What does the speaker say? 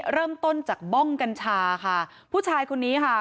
เริ่มต้นจากบ้องกัญชาค่ะผู้ชายคนนี้ค่ะ